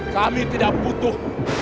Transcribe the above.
kami tidak butuh